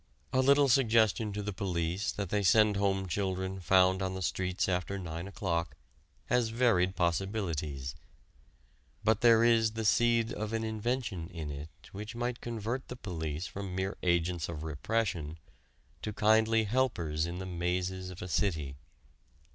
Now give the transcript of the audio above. A little suggestion to the police that they send home children found on the streets after nine o'clock has varied possibilities. But there is the seed of an invention in it which might convert the police from mere agents of repression to kindly helpers in the mazes of a city.